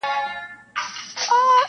• هسي نه چي دي د ژوند وروستی سفر سي -